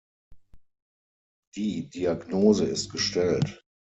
Die Diagnose ist gestellt.